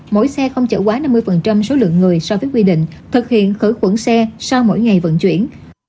mỗi xe không chở quá năm mươi số lượng người so với quy định thực hiện khử khuẩn xe sau mỗi ngày vận chuyển